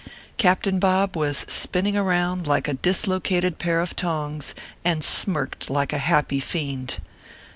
Captain Bob was spinning around like a dislocated pair of tongs, and smirked like a happy fiend.